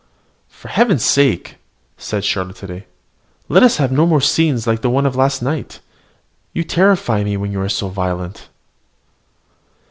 "For Heaven's sake," said Charlotte today, "let us have no more scenes like those of last night! You terrify me when you are so violent."